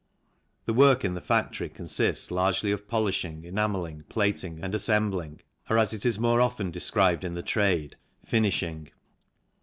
The work in the factory consists largely of polishing, enamelling, plating, and assembling, or as it is more often described in the trade, finishing.